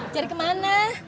cari ke mana